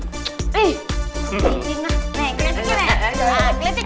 lihat deh klitik nih